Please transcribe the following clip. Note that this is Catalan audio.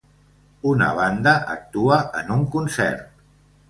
Una banda actua en un concert.